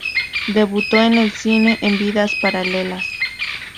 Debutó en el cine en "Vidas paralelas".